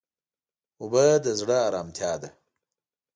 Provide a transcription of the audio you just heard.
اوبه د زړه ارامتیا ده.